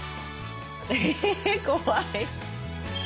え怖い！